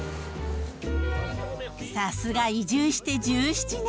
さすが移住して１７年。